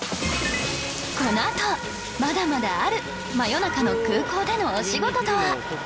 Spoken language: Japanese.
このあとまだまだある真夜中の空港でのお仕事とは？